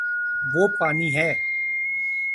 وہ پانی ہے